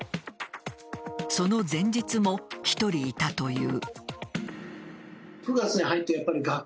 その前日も１人いたという。